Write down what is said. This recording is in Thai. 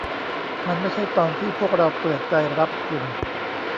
มันไม่ใช่ตอนที่พวกเราเปิดใจรับคุณ